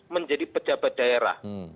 menjadi pejabat daerah